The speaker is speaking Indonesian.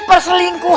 bukti selingkuh lo tuh